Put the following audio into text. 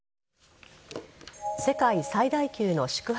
世界最大級の宿泊